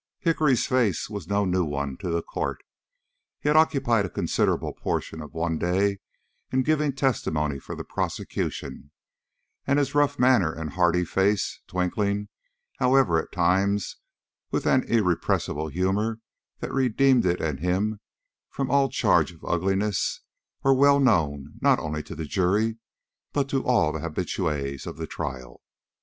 HICKORY'S face was no new one to the court. He had occupied a considerable portion of one day in giving testimony for the prosecution, and his rough manner and hardy face, twinkling, however, at times with an irrepressible humor that redeemed it and him from all charge of ugliness, were well known not only to the jury but to all the habitués of the trial.